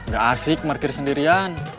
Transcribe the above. gak asik markir sendirian